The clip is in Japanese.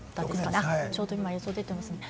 今、ちょうど映像出てますね。